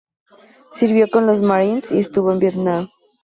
Sirvió con los marines y estuvo en Vietnam.